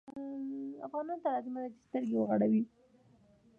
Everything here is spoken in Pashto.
افغانانو ته لازمه ده چې سترګې وغړوي.